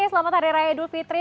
selamat hari raya idul fitri